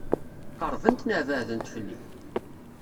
Qeṛbent neɣ beɛdent fell-i?